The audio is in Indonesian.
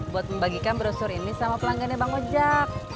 buat membagikan brosur ini sama pelanggannya bang ojek